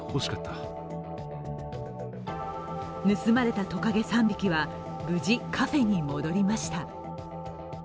盗まれたトカゲ３匹は無事カフェに戻りました。